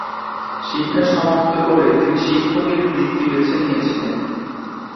শিক্ষা সমাপ্ত করে তিনি শিক্ষকের বৃত্তি বেছে নিয়েছিলেন।